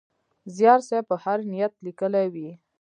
زیار صېب په هر نیت لیکلی وي.